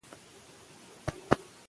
د فيمنيزم په سترګيو کې وکتل شو